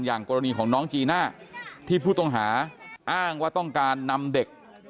อย่างกรณีของน้องจีน่าที่ผู้ต้องหาอ้างว่าต้องการนำเด็ก